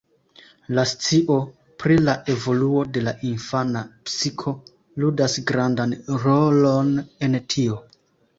La scio pri la evoluo de la infana psiko ludas grandan rolon en tio.